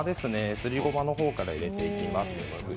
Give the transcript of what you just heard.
すりごまから入れていきます。